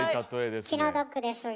気の毒ですが。